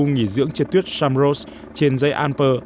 nghỉ dưỡng trượt tuyết chambrose trên dãy alps